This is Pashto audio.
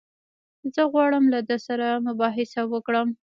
زه غواړم له ده سره مباحثه وکړم.